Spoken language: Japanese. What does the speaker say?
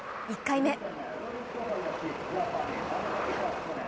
１回目。